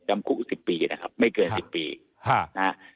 จำคุก๑๐ปีนะครับไม่เกิน๑๐ปีนะฮะ